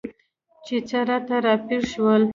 چې څه راته راپېښ شول؟